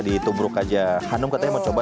ditubruk aja hanum katanya mau coba